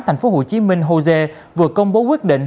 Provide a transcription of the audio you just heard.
tp hcm hosea vừa công bố quyết định